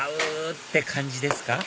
って感じですか？